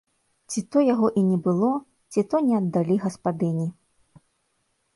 Ці то яго і не было, ці то не аддалі гаспадыні.